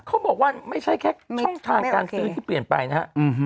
เขาบอกว่าไม่ใช่แค่ช่องทางการซื้อที่เปลี่ยนไปนะฮะ